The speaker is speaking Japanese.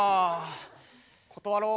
断ろう。